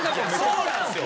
そうなんすよ。